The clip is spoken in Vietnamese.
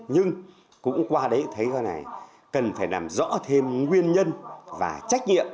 nhưng cũng qua đấy thấy cái này cần phải làm rõ thêm nguyên nhân và trách nhiệm